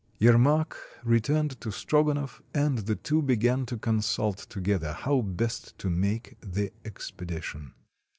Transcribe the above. Yermak returned to Strogonoff, and the two began to consult together how best to make the expedition.